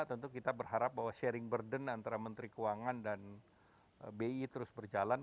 tentu kita berharap bahwa sharing burden antara menteri keuangan dan bi terus berjalan